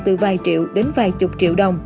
từ vài triệu đến vài chục triệu đồng